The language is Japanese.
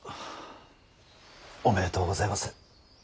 おめでとうございます。